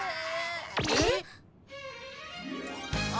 えっ？